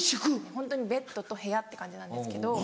ホントにベッドと部屋って感じなんですけど。